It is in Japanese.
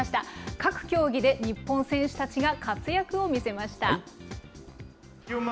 各競技で日本選手たちが活躍を見せました。